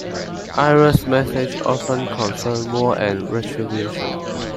Iris's messages often concerned war and retribution.